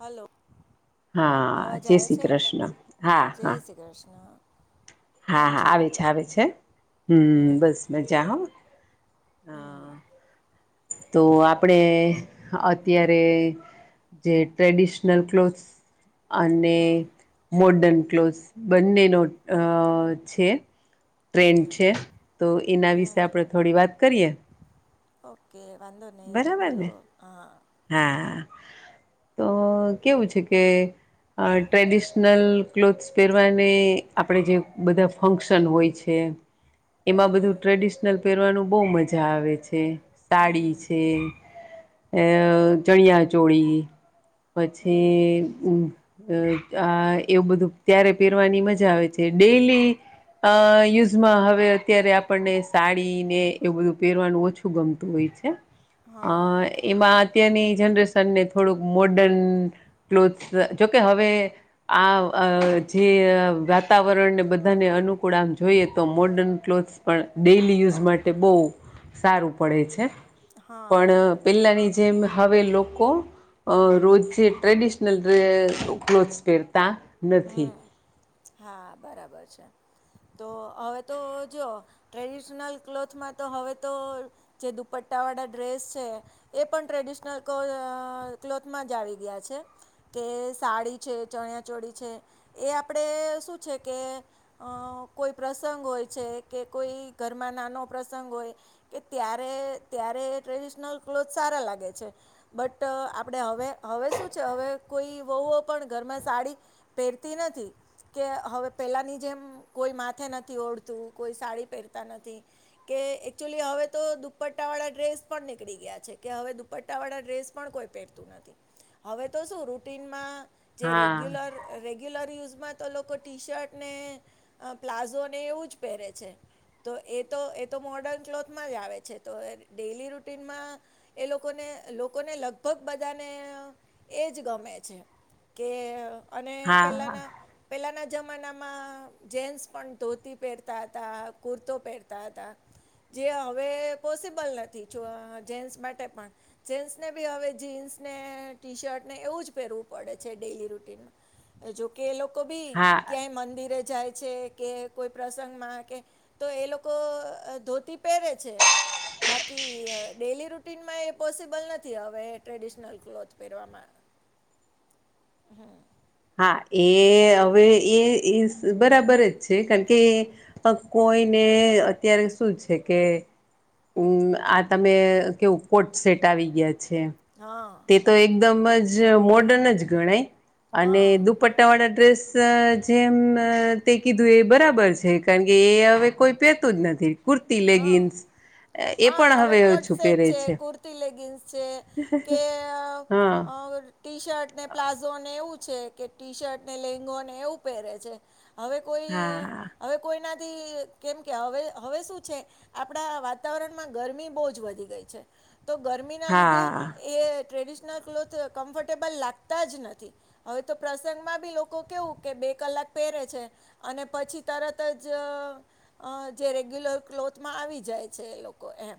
Hello! હા, અવાજ જય આવે શ્રી છે કૃષ્ણ. હા, જય હા. શ્રી કૃષ્ણ હા કેમ હા છો આવે છે આવે છે. હમ, બસ મજાઓ. હા તો આપણે અત્યારે જે ટ્રેડિશનલ ક્લોથ્સ અને હા મોર્ડન ક્લોથ બંનેનો છે. ટ્રેન્ડ હમ છે, તો એના વિશે હમ આપણે થોડી વાત કરીએ ઓકે! વાંધો નહી બરાબર બોલો ને હા હા તો કેવું છે કે ટ્રેડિશનલ ક્લોથસ પહેરવાને આપણેે જે બધા ફંક્શન હોય છે. એમાં બધું હમ ટ્રેડિશનલ પહેરવાનું બહ મજા આવે છે. હમ સાડી છે અ, ચણિયા ચોળી હમ પછી અ એવું બધું ત્યારે પહેરવાની મજા આવે છે. ડેલી અ યુઝમાં હવે અત્યારે આપણને સાડી ને એવું બધું પહેરવાનું ઓછું ગમતું હોય છે. અ હા એમાં અત્યારની જનરેશનને થોડુંક મોર્ડન ક્લોથ જોકે હવે આ જે વાતાવરણને બધાને અનુકૂળ આમ જોઈએ તો મોડર્ન ક્લોથ્સ પણ પણ ડેઈલી યુઝ માટે બહુ સારું પડે છે. હા. ત્યાની જેમ હવે લોકો અ રોજ ટ્રેડિશનલ ક્લોથસ પહેરતા નથી. હમ હા બરાબર છે. તો હવે તો જો ટ્રેડિશનલ ક્લોથમાં તો હવે તો જે દુપટ્ટા વાળા ડ્રેસ છે એ પણ ટ્રેડિશનલ ક્લોથમાં જ આવી ગયા છે. કે સાડી છે, ચણ્યા ચોડી છે એ આપણે શું છે કે કોઈ પ્રસંગ હોય છે, કે કોઈ ઘરમાં નાનો પ્રસંગ હોય કે ત્યારે ત્યારે ટ્રેડિશનલ ક્લોથ સારા લાગે છે બટ આપણેે હવે હવે શું છે હવે કોઈ વહુઓ પણ ઘરમાં સાડી પહેરતી નથી કે હવે પેલાની જેમ કોઈ માથે નથી ઓડતું કોઈ સાડી પહેરતા નથી કે એકચુલી હવે તો દુપટ્ટા વાળા ડ્રેસ પણ નીકળી ગયા છે કે હવે દુપટ્ટા વાળા ડ્રેસ પણ કોઈ રહવે તો શું રૂટીન માં જે હા રેગ્યુલરત રેગ્યુલર યુઝમાં તો લોકો ટી શર્ટ ને પ્લાઝો ને એવું જ પહેરે છે તો એ તો એ તો મોર્ડર્ન ક્લોથમાં જ આવે છે તો ડેલી રૂટીનમાં એ લોકોને લોકોને લગભગ બધાને એ જ ગમે છે કે અને હા પેલાના પેલાના જમાનામાં જેન્ટ્સ પણ ધોતી પહેરતા હતા કુર્તો પહેરતા હતા જે હવે પોસિબલ નથી જેસ માટે પણ જેસ ને બી હવે જીન્સ ને ટી શર્ટને એવું જ પહેરવું પડે છે ડેઈલી રૂટીનમાં જોકે એ લોકો ભી હા ક્યાંય મંદિરે જાય છે કે કોઈ પ્રસંગમાં કે તો એ લોકો ધોતી પહેરે છે બાકી ડેલી રૂટીનમાં એ પોસિબલ નથી હવે ટ્રેડિશનલ ક્લોથ પહેરવામાં હમ હા એ હવે એ બરાબર જ છે કારણ કે કોઈને કે અત્યારે શું છે કે હમ આ તમે કેવું કોટ સેટ આવી ગયા હા તે તો એકદમ જ મોર્ડન જ ગણાય અને હા દુપટ્ટાવાળા ડ્રેસ જેમ તે કીધું એ બરાબર છે કારણ કે એ હવે કોઈ પહેતું જ નથી કુર્તી હા લેગિન્સ એ હા પણ હવે કોટ ઓછું સેટ પહેરે છે કુર્તી લેગિન્સ છે કે હા ટી શર્ટ ને પ્લાઝો ને એવું છે કે ટી શર્ટ ને લેંગોને એવું પહેરે છે હવે કોઈ હા હવે કોઈ ના કેમ કે હવે હવે શું આપડા વાતાવરણમાં ગરમી બહુ જ વધી ગઈ છે તો ગરમી ના લીધે હા એ ટ્રેડિશનલ ક્લોથ કમ્ફર્ટેબલ લાગતા જ નથી હવે તો પ્રસંગમાં બી લોકો કેવું કે બે કલાક પેરે છે અને પછી તરત જ ક્લોથમાં આવી જાય છે એ લોકો એમ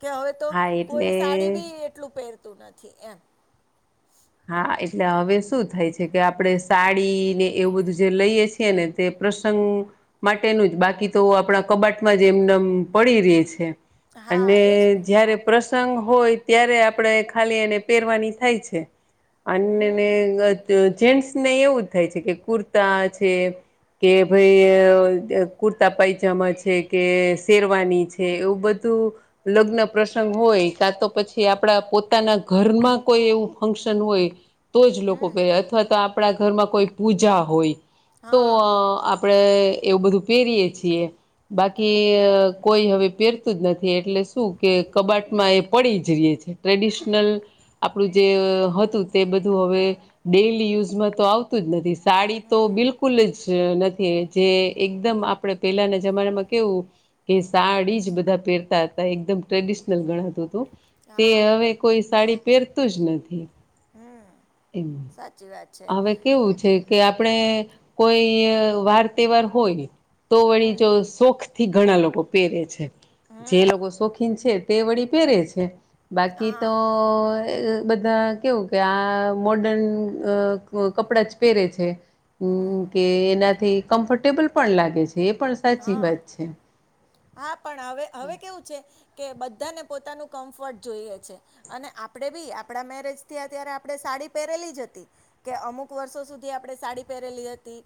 કે હવે તો હા એટલે કોઈ સાડી બી એટલું પહેરતું નથી એમ હા એટલે હવે શું થાય છે કે આપડે સાડી ને એવું બધું જે લઈએ છીએ ને તે પ્રસંગ માટેનું જ બાકી તો આપણા કબાટમાં જ એમનેમ પડી રે છે હા અને એજ ને જયારે પ્રશ્ન સંગ હોય ત્યારે આપણે ખાલી એને પહેરવાની થાય છે હમ અનને જેન્ટસ ને એવું જ થાય છે કે કુર્તા છે કે ભાઈ કુર્તા પાયજામા છે કે શેરવાની છે એવું બધું ધુ લગ્ન પ્રસંગ હોય કા તો પછી આપડા પોતાના ઘરમાં કોઈ એવું ફંક્શન હોય તો જ લોકો હમ પેરે અથવા તો આપણા ઘરમાં કોઈ પૂજા હોય તો હા આપડે એવું બધું પહેરીય છીએ બાકી હમ કોઈ હવે પહેરતું જ નથી એટલે શું કે કબાટમાં એ પડી જ રહે છે ટ્રેડિશનલ આપણું જે હતું તે બધું હવે ડેલી યુઝમાં તો આવતું જ નથી સાડી તો હમ બિલકુલ જ ન થી જે એકદમ આપણેે પહેલાના જમાનામાં કેવું કે સાડી જ બધા પહેરતા એકદમ ટ્રેડિશનલ ગણાતું હતું તે હા હવે કોઈ સાડી પહેરતું જ નથી હમ એમ સાચી વાત છે હવે કેવું છે કે આપણે કોઈ વાર તહેવાર હોય તો વળી હમ જો શોખ થી ઘણા લોકો પહેરે છે જે હમ લોકો શોખીન છે તે વળી પહેરે છે બાકી હા તો બધા કેવું કે આ મોર્ડન અ કપડા જ પહેરે છે મ કે એનાથી કમ્ફર્ટેબલ પણ લાગે છે એ પણ સાચી હા વાત છે હા પણ હવે હવે કેવું છે કે બધ બધા ને પોતાનું કમ્ફર્ટ જોઈએ છે અને આપડે બી આપણા મેરેજ થીયા ત્યારે આપણે સાડી પહેરે લી જ હતી કે અમુક વર્ષો સુધી આપણે સાડી પહેરેલી હતી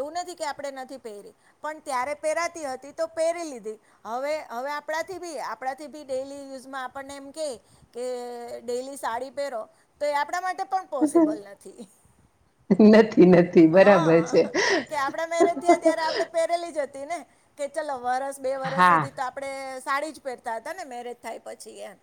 એવું નથી કે આપણે નથી પહેરી પણં ત્યારે પહેરાતી હતી તો પહેરી લીધી હવે હવે આપણાથી બી આપણાથી બી ડેલી યુઝમાં આપણને એમ કે કે ડેલી સાડી પહેરો તો એ આપણા માટે પણ પોસિબલ નથી નથી નથી બરાબર હા છે. કે આપડા મેરેજ થયા ત્યારે આપડે પહેરેલી જ હતી ને કે ચાલ વરસ બે વરસ હા સુધી તો આપણે સાડી જ પહેરતા હતા ને મેરેજ થાય પછી એમ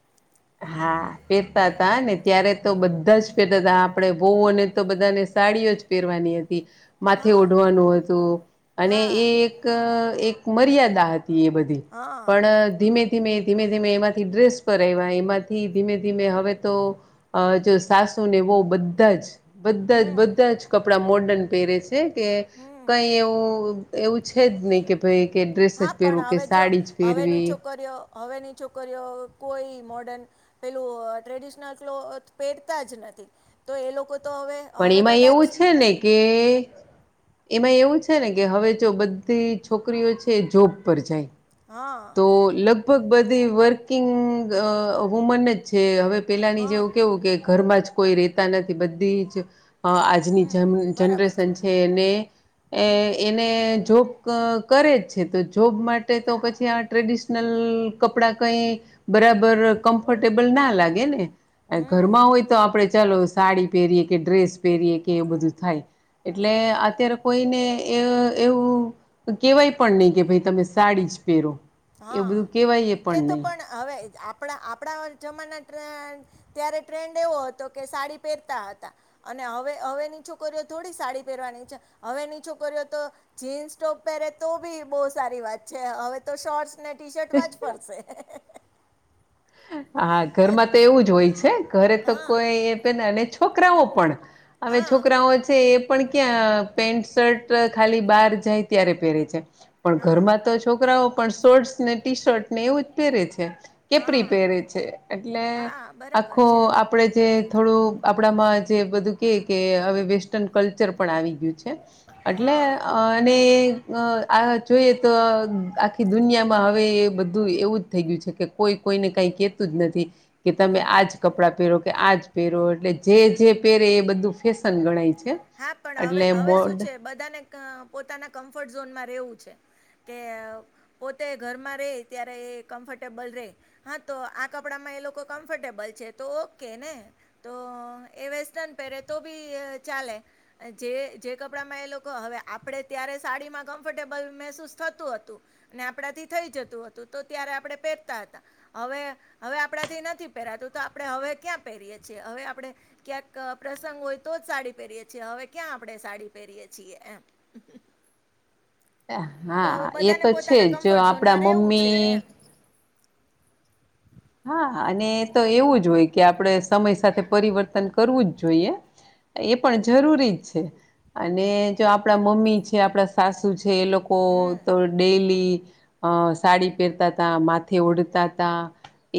હા પહેરતા હતા ને ત્યારે તો બધા જ પહેતા હતા આપડે વહુઓને તો બધાને સાડીઓ જ પહેરવાની હતી હતી માથે હા ઓઢવાનું હતું અને હા એ એક એક મર્યાદા હતી બધી હા પણ ધીમે ધીમે ધીમે ધીમે એમાંથી ડ્રેસ પર આઇવા માંથી ધીમે ધીમે હવે તો અ જો સાસુ ને વહુ બધા જ બધા જ હમ બધા જ કપડાં મોર્ડર્ન પહેરે છે છે કે હમ કઈ એવું એવું છે જ નહીં કે ભાઈ કે ડ્રેસ જ પહેરવું કે સાડી જ પહેરવી કરીઓ હવેની છોકરીઓ કોઈ મોર્ડન પેલું ટ્રેડિશનલ ક્લૉથ પહેરતા જ નથી તો એ લોકો તો હવે પણ હવે એમાં કદાચ એવું છે ને કે એમાં એવું છે ને કે હવે જો બધી છોકરીઓ છે જોબ પર જાય હા તો લગભગ બધી વર્કિંગ અ વુમન જ છે હવે પેલાની હા જેવું કેવું કે ઘરમાં જ કોઈ રહેતા નથી બધી જ આજની હમ જમ બરાબર જનરેશન છે એને એ હમ એને જો કરે જ છે તો જોબ માટે તો પછી આ ટ્રેડિશનલ કપડા કઈ બરા બરાબર કમ્ફર્ટેબલ ના લાગે ને હમ ઘરમાં હોય તો આપડણે ચાલો સાડી પહેરીએ કે ડ્રેસ પહેરીએ કે એ બધું થાય એટલે હમ અત્યારે કોઈને એ એવું કેવાય પણ નહીિ કે ભાઈ તમે સાડી જ પે એવું હા બધું કેવાય પણ નહી આપ આપણા જમાના ત્યારે ટ્રેન્ડ એવો હતો કે સાડી પહેરતા હતા અને હવે નીચું કર્યો થોડી સાડી પહેરવાની છે હવે નીચું કર્યો તો જીન્સ ટોપ પહેરે તો બી બહુ સારી વાત છે હવે તો શોર્ટસ ને ટી શર્ટમાં જ ફરશે હા ઘરમાં તો એવું જ હોય છે ઘરે તો હા કોઈ પે છોકરાઓ પણ હવે હા છોકરાઓ છે પણ ક્યાં પેન્ટ શર્ટ ખાલી બહાર જાય ત્યારે પહેરે છે પણ હા ઘરમાં તો છોકરાઓ પણ શર્ટસ ને ટી શર્ટ ને એવું જ પહેરે છે હા પહેરે છે એટલે હા બરાબર છે આખો આપણે જે થોડું આપણામાં જે બધું કે કે હવે વેસ્ટર્ન કલ્ચર પણ આવી છે હા એટલેને અ આ જોઈએ તો આખી દુનિયામાં હવે બધું એવું જ થઈ ગયું છે કે કોઈ કોઈને કઈ કતું જ નથી કે તમે આજ કપડા પહેરો આજ પેરો એટલે જે જે પેરે એ બધું ફેશન ગણાય છે હા પણ હવે એટલે હવે શું મોડ છે બધાને પોતાના કમ્ફર્ટ ઝોનમાં રહેેવું છે કે પોતે ઘરમાં રે ત્યારે એ કમ્ફર્ટેબલ રે હા તો આ કપડામાં લોકો કમ્ફર્ટેબલ છે તો ઓકે ને તો એ વેસ્ટર્ન પહેરે તો બી ચાલે જે જે કપડામાં એ લોકો હવે આપણે ત્યારે સાડીમાં કમ્ફર્ટેબલ મહેસૂસ થતું હતું આપણાથી થઈ જતું હતું તો ત્યારે આપણે પહેરતા હતા હવે હવે આપણાથી નથી પરાતું તો આપણે હવે ક્યાં પહેરીએ છીએ હવે આપડણે ક્યાંક પ્રસંગ હોય તો જ સાડી પહેરીએ છએ હવે ક્યાં આપડણે સાડી પહેરીયએ છીએ એમ તો હા હવે એ બધાને તો છે પોતાના જો કમ્ફર્ટ આપડા ઝોનમાં રહેવું છે મમ્મી એમ હા અને તો એવું જ હોય કે આપણેે સમય સાથે પરિવર્તન કરવું જ જોઈએ એ પણ જરૂરી જ છે અને જો આપણા મમ્મી છે આપણા સાસુ છે જે એ લોકો હમ તો ડેલી અ સાડી પહેરતા તા માથે ઓડતા તા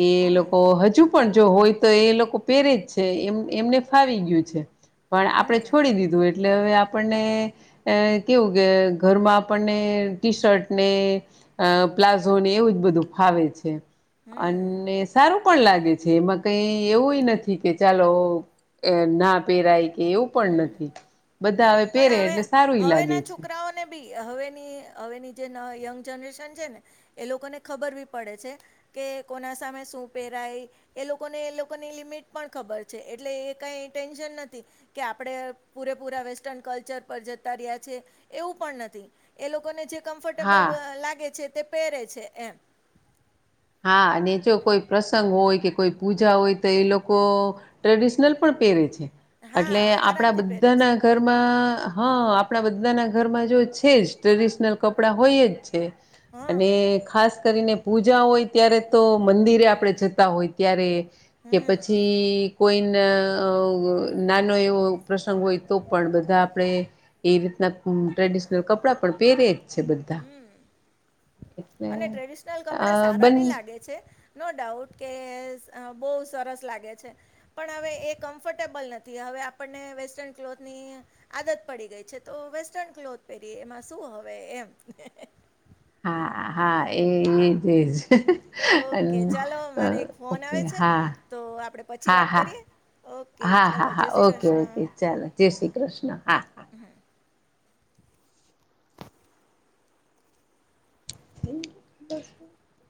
એ હમ લોકો હજુ પણ જો હોય તો એ લોકો પેરે જ છે એમ એમને ફાવી ગયું છે પણ આપડણે હમ છોડી દીધું એ એટલે હવે આપણને કેવું કે ઘરમાં આપણને ટી શર્ટને અ પ્લાઝો ને એવું જ બધું ફાવે છે હમ અને સારું પણ લાગે છે એમાં કઈ એવું નથી કે ચાલો ના પહેરાય એવું પણ હમ નથી બધા હવે પહેરે એટલે પણ સારું લાગે હવેના છે છોકરાઓને બી હવે હવેની જે યંગ જનરેશન છે ને એ લોકોને ખબર બી પડે છે કે કોના સામે શું પહેરાય એને એ લોકોની લિમિટ પણ ખબર છે એટલે એ ક નથી કે આપણે પૂરેપૂરા વેસ્ટર્ન કલ્ચર પર જતા રહ્યાં છીએ એવું પણ નથી એ લોકોને જે કમફટેબલ હા લાગે છે તે પહેરે છે એમ હા અને જો કોઈ પ્રસંગ હોય કે કોઈ પૂજા હોય તો એ લોકો ટ્રેડિશનલ પણ પહેરે છે હા એટલે આપડા આરામથી પહેરે છે બધાના ઘરમાં હા આપણા બધાના ઘરમાં જો છે જ ટ્રેડિશનલ કપડાં હોય જ છે હા અને ખાસ કરીને પૂજા હોય અ્યારે તો મંદિરે આપડે જતા હોય ત્યારે કે હમ પછી કોઈને નાનો એવો પ્રસંગ હોય તો પણ બધા આપણે એી ટ્રેડિશનલ કપડાં પણ પહેરે જ છે બધા એટલે અને ટ્રેડિશનલ અ કપડા સારા બન બી લાગે છે નો ડાઉટ કે બહુ સરસ લાગે છે પણ હવે એ કમ્ફર્ટેબલ નથી હવે હવે આપણને વેસ્ટર્ન ક્લોથની આદત પડી ગઈ છે તો વેસ્ટન ક્લોથ પહેરી એમાં શું હવે એમ હા હા એજ એજ ઓકે ચાલો મારે એક ફોન ઓકે આવે છે હા તો આપણે પછી હા વાત હા કરીએ ઓકે હા ચાલો હા જય હા શ્રી ઓકે ઓકે કૃષ્ણ ચાલો જય શ્રી કૃષ્ણ હા હા હ